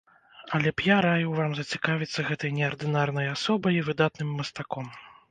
Але б я раіў вам зацікавіцца гэтай неардынарнай асобай і выдатным мастаком.